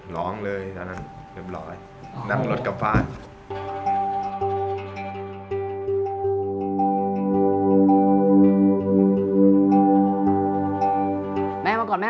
ร้องเลยเรียบร้อยนั่งรถกลับบ้าน